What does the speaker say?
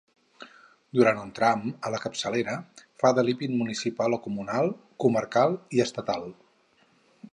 Durant un tram, a la capçalera, fa de límit municipal o comunal, comarcal i estatal.